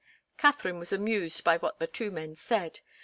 Katharine was amused by what the two men said.